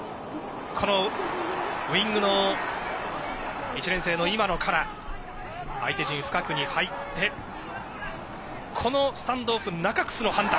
このウイングの１年生の今野から相手陣深くに入ってこのスタンドオフ、中楠の判断。